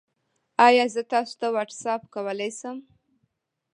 ایا زه تاسو ته واټساپ کولی شم؟